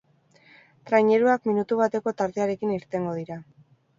Traineruak minutu bateko tartearekin irtengo dira.